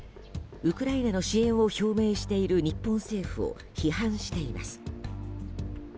ウクライナの支援を表明している日本政府を批判しています。